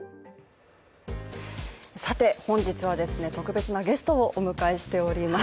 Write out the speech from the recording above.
さて、本日は特別なゲストをお迎えしております。